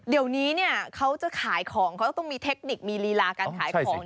เดี๋ยวนี้เนี่ยเขาจะขายของเขาต้องมีเทคนิคมีลีลาการขายของ